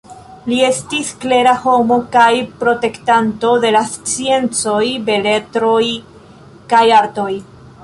Li estis klera homo kaj protektanto de la sciencoj, beletroj kaj artoj.